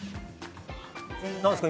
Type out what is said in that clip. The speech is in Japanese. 何ですか？